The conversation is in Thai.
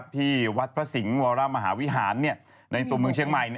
ที่วัดพระสิงห์วรมหาวิหารในตัวเมืองเชียงใหม่